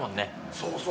そうそう。